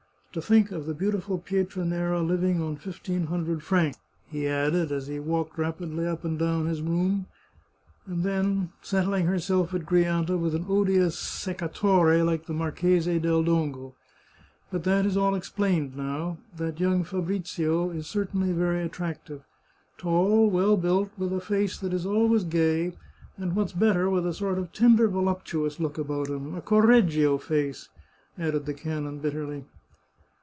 To think of the beautiful Pietranera living on fifteen hundred francs !" he added, as he walked rapidly 92 The Chartreuse of Parma up and down his room, " and then settling herself at Gri anta with an odious secatore like the Marchese del Dongo ! But that is all explained now. That young Fabrizio is cer tainly very attractive — tall, well built, with a face that is always gay, and, what's better, with a sort of tender voluptu ous look about him — a Correggio face !" added the canon bitterly.